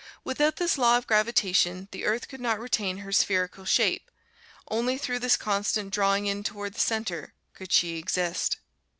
Without this Law of Gravitation the Earth could not retain her spherical shape: only through this constant drawing in toward the center could she exist.